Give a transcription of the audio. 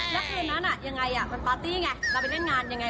ตอนนั้นอะวันปาร์ตี้ไงเราไปเท่งงานยังไง